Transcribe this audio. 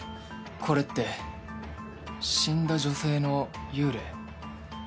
これって死んだ女性の幽霊？